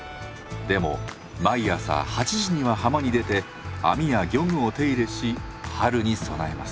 でも毎朝８時には浜に出て網や漁具を手入れし春に備えます。